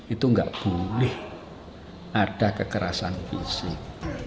itu nggak boleh ada kekerasan fisik